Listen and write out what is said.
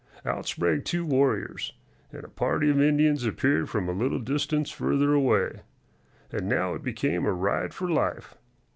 Out sprang two warriors, and a party of Indians appeared from a little distance further away. And now it became a ride for life.